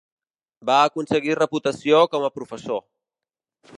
Va aconseguir reputació com a professor.